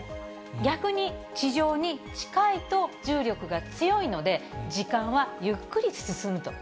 逆に地上に近いと重力が強いので、時間はゆっくり進むと。